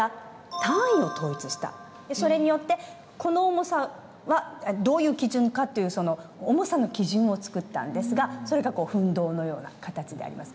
それによってこの重さはどういう基準かっていう重さの基準を作ったんですがそれが分銅のような形であります。